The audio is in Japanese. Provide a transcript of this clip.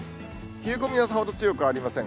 冷え込みはさほど強くありません。